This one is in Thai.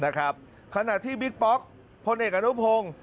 อ่ะครับขณะที่บิ๊กป้อกพลเอกอนุพงศ์